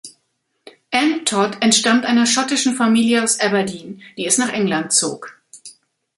Ann Todd entstammt einer schottischen Familie aus Aberdeen, die es nach England zog.